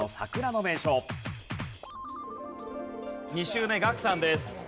２周目ガクさんです。